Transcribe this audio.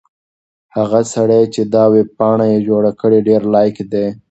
هغه سړی چې دا ویبپاڼه یې جوړه کړې ډېر لایق دی.